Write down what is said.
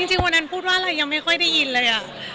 จริงวันนั้นพูดว่าอะไรยังไม่ค่อยได้ยินเลย